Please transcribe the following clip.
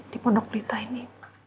di pondok pelita ini